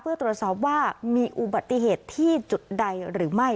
เพื่อตรวจสอบว่ามีอุบัติเหตุที่จุดใดหรือไม่